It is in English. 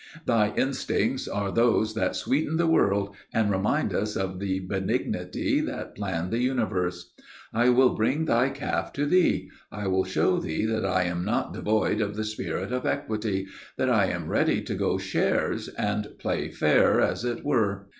'Thy instincts are those that sweeten the world, and remind us of the benignity that planned the universe. I will bring thy calf to thee. I will show thee that I am not devoid of the spirit of equity; that I am ready to go shares and play fair, as it were.